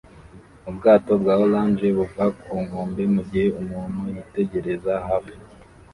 Ubwato bwa orange buva ku nkombe mugihe umuntu yitegereza hafi